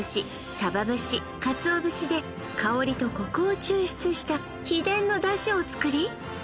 サバ節カツオ節で香りとコクを抽出した秘伝のだしを作り